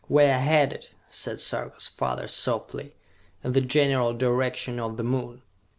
"We are headed," said Sarka's father softly, "in the general direction of the Moon!